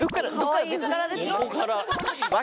横から。